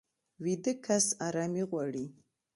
ویده کس ارامي غواړي